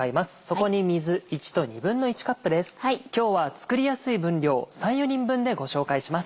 今日は作りやすい分量３４人分でご紹介します。